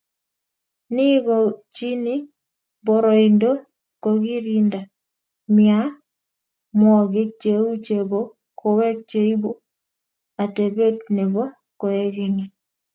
Ni kogochini boroindo kogirinda mianwogik cheu chebo kowek cheibu atepet nebo koekeny